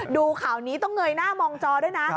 ดูข่าวนี้ต้องเงยหน้ามองจอด้วยนะ